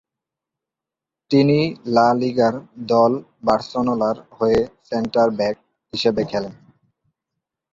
তিনি লা লিগার দল বার্সেলোনার হয়ে সেন্টার-ব্যাক হিসেবে খেলেন।